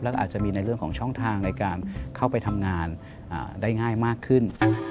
แล้วก็อาจจะมีในเรื่องของช่องทางในการเข้าไปทำงานได้ง่ายมากขึ้น